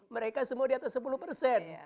mereka semua di atas sepuluh persen